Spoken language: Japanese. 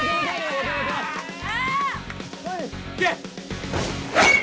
いけ！